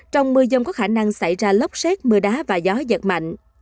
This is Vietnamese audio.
trong mưa dông có khả năng xảy ra lốc xét mưa đá và gió giật mạnh